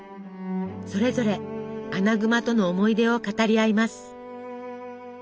それぞれアナグマとの思い出を語り合います。